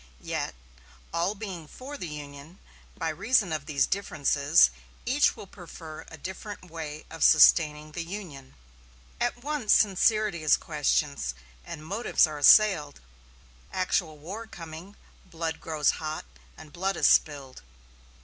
Yet, all being for the Union, by reason of these differences each will prefer a different way of sustaining the Union. At once sincerity is questioned, and motives are assailed. Actual war coming, blood grows hot, and blood is spilled.